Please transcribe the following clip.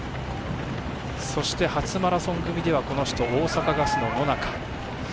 そして、初マラソン組ではこの人大阪ガスの野中。